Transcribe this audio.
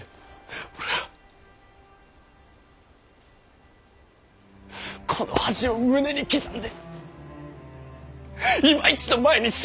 俺はこの恥を胸に刻んでいま一度前に進みたい。